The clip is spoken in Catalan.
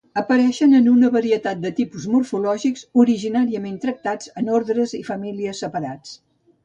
Apareixen en una varietat de tipus morfològics, originàriament tractats en ordres i famílies separats.